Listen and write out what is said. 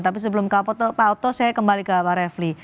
tapi sebelum ke pak oto saya kembali ke pak refli